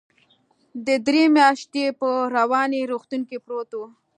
دى درې مياشتې په رواني روغتون کې پروت و.